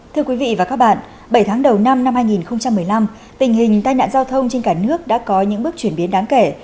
thưa quý vị và các bạn bảy tháng đầu năm hai nghìn một mươi năm tình hình tai nạn giao thông trên cả nước đã có những bước chuyển biến đáng kể